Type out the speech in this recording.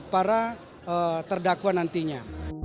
para terdakwa nantinya